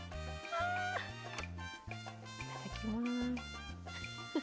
いただきます。